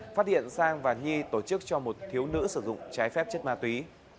phát hiện sang và nhi tổ chức cho một thiếu nữ sử dụng trái phép chất ma túy